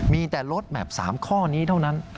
มีแต่ลดแหม่บ๓ข้อนี้เดี๋ยวนั้น